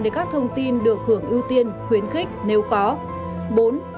để các thông tin được hưởng ưu tiên khuyến khích nếu có